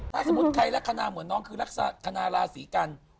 ถ้าสมมุติใครลักษณะเหมือนน้องคือลักษณะธนาราศีกัน